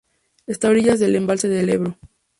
Está a orillas del embalse del Ebro.